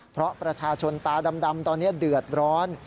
เพราะประชาชนตาดำตอนนี้เดือดร้อน